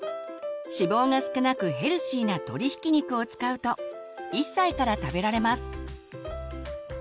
脂肪が少なくヘルシーな鶏ひき肉を使うと１歳から食べられます。